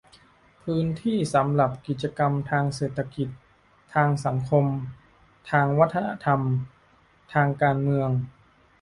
พื้นที่สำหรับกิจกรรมทางเศรษฐกิจ ทางสังคม ทางวัฒนธรรม ทางการเมือง